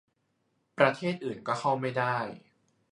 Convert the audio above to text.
ประเทศอื่นก็เข้าไม่ได้